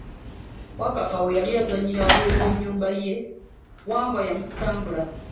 Wakkapa bwe yali ezanyira wabweru we nyumba ye, Wambwa yamusikambula.